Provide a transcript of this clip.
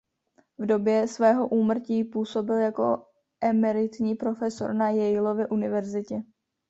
V době svého úmrtí působil jako emeritní profesor na Yaleově univerzitě.